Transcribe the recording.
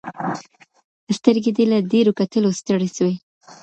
سترګې دې له ډیرو کتلو ستړي سوې.